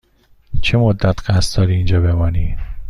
چه مدت قصد داری اینجا بمانی؟